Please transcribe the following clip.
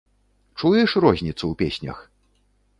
Чуеш розніцу ў песнях?